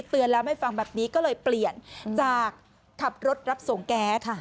เตือนแล้วไม่ฟังแบบนี้ก็เลยเปลี่ยนจากขับรถรับส่งแก๊สค่ะ